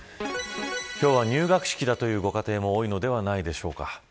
今日は入学式だというご家庭も多いのではないでしょうか。